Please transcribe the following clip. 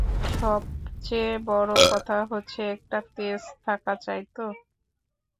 সব চেয়ে বড়ো কথা হচ্ছে, একটা তেজ থাকা চাই তো।